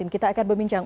kita akan berbincang